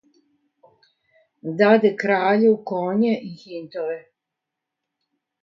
Даде краљу коње и хинтове,